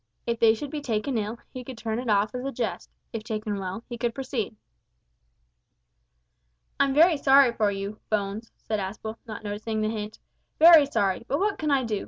If they should be taken ill, he could turn it off as a jest; if taken well, he could proceed. "I'm very sorry for you, Bones," said Aspel, not noticing the hint, "very sorry, but what can I do?